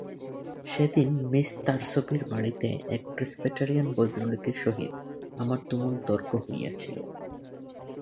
সেদিন মিস থার্সবির বাড়ীতে এক প্রেসবিটেরিয়ান ভদ্রলোকের সহিত আমার তুমুল তর্ক হইয়াছিল।